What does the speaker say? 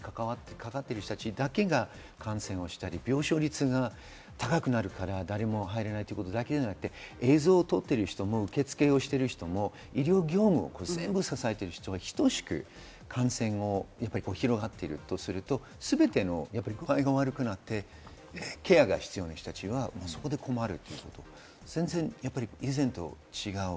コロナにかかっている人たちだけが感染したり、病床率が高くなるから誰も入れないということだけではなくて、受け付けをしている人、医療業務を支えている人に等しく感染を広がっているとすると、全て具合が悪くなってケアが必要な人たちは困る。